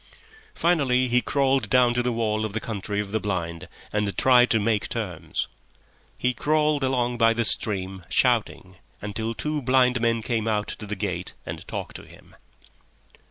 Finally he crawled down to the wall of the Country of the Blind and tried to make his terms. He crawled along by the stream, shouting, until two blind men came out to the gate and talked to him.